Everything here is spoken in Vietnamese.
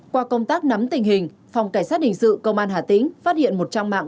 qua công tác nắm tình hình phòng cảnh sát hình sự công an hà tĩnh phát hiện một trang mạng